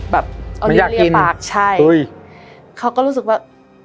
แบบเอาลิ้นเลี่ยปากมันอยากกินใช่เขาก็รู้สึกว่า